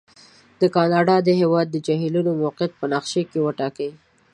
د کاناډا د هېواد د جهیلونو موقعیت په نقشې کې وټاکئ.